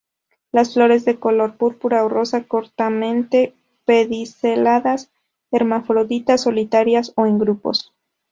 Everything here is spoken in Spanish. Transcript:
Las flores de color púrpura o rosa, cortamente pediceladas, hermafroditas, solitarias o en grupos.